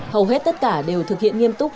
hầu hết tất cả đều thực hiện nghiêm túc